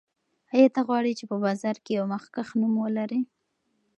آیا ته غواړې چې په بازار کې یو مخکښ نوم ولرې؟